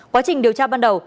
quá trình điều tra ban đầu